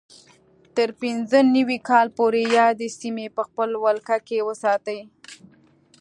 تر پینځه نوي کال پورې یادې سیمې په خپل ولکه کې وساتلې.